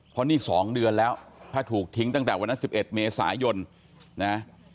เพราะนี่๒เดือนแล้วถ้าถูกทิ้งตั้งแต่วันนั้น๑๑เมษายนนะ